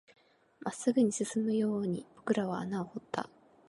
真っ直ぐに進むように僕らは穴を掘った